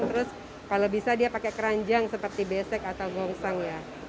terus kalau bisa dia pakai keranjang seperti besek atau gongsang ya